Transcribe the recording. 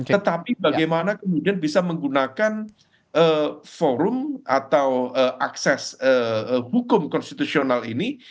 tetapi bagaimana kemudian bisa menggunakan forum atau akses hukum konstitusional ini